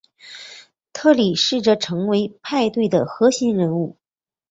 特里试着成为派对的核心人物。